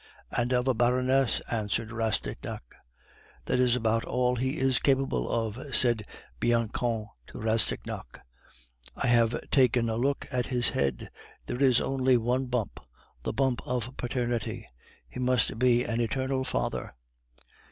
"And of a baroness," answered Rastignac. "That is about all he is capable of," said Bianchon to Rastignac; "I have taken a look at his head; there is only one bump the bump of Paternity; he must be an eternal father."